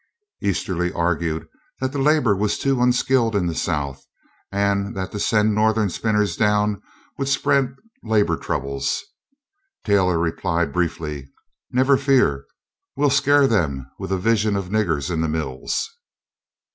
Easterly argued that the labor was too unskilled in the South and that to send Northern spinners down would spread labor troubles. Taylor replied briefly: "Never fear; we'll scare them with a vision of niggers in the mills!"